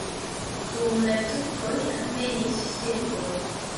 Dum la turkoj alvenis serboj.